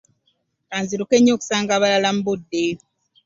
Kanziruke nnyo nsobole okusanga abalala mu budde.